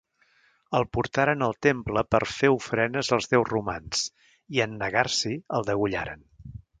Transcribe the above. El portaren al temple per fer ofrenes als déus romans i, en negar-s'hi, el degollaren.